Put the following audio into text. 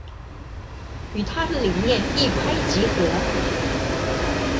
與她的理念一拍即合